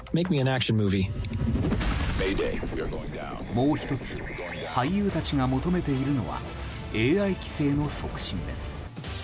もう１つ俳優たちが求めているのはＡＩ規制の促進です。